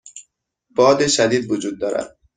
باد شدید وجود دارد.